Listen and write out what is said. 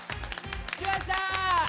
きました！